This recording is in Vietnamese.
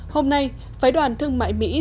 hôm nay phái đoàn thương mại mỹ